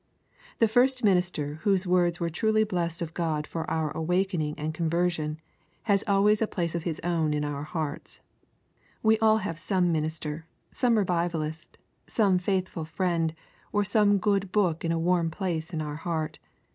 The first minister whose words were truly blessed of God for our awakening and conversion has always a place of his own in our hearts. We all have some minister, some revivalist, some faithful friend, or some good book in a warm place in our heart.